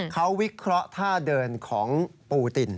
เขาวิเคราะห์ท่าเดินของปูติน